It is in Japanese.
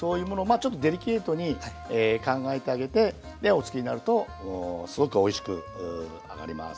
あちょっとデリケートに考えてあげてでおつくりになるとすごくおいしく揚がります。